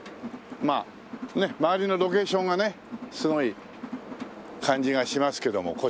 まあ周りのロケーションがねすごい感じがしますけども。